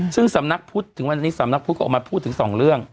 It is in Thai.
ซึ่งสำนักผู้ถึงวันนี้สำนักผู้ออกมาพูดถึง๒เรื่อง